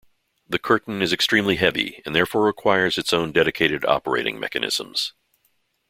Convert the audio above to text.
The curtain is extremely heavy and therefore requires its own dedicated operating mechanisms.